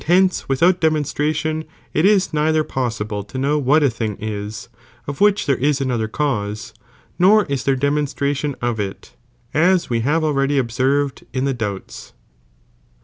3. g^ujj jjpjjce without demonstration it is neither possible to know what a thing is, of which there is another cause, nor is there demonstration of it, as we have already observed in the doubts.